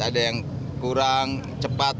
ada yang kurang cepat